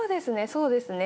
そうですね！